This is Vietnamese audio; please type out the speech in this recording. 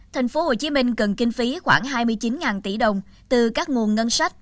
thành phố hồ chí minh cần kinh phí khoảng hai mươi chín tỷ đồng từ các nguồn ngân sách